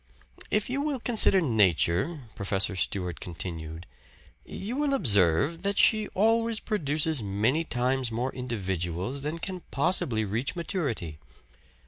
"If you will consider Nature," Professor Stewart continued, "you will observe that she always produces many times more individuals than can possibly reach maturity.